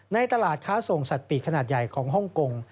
ในตลาดค้าส่งสัตว์ปีกขนาดใหญ่ของฮ่องกง